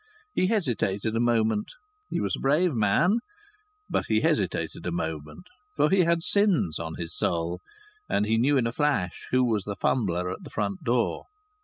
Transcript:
He hesitated a moment. He was a brave man, but he hesitated a moment, for he had sins on his soul, and he knew in a flash who was the fumbler at the front door.